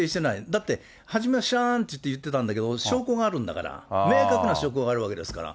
だって初めは知らんって言ってたんだけど、証拠があるんだから、明確な証拠があるわけですから。